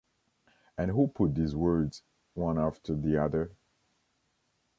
And who put these words one after the other?...